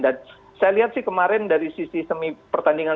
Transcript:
dan saya lihat sih kemarin dari sisi semi pertandingan